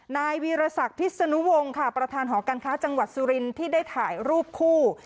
นายวีรศักดิ์พิศนุวงศ์ค่ะประธานหอการค้าจังหวัดสุรินที่ได้ถ่ายรูปคู่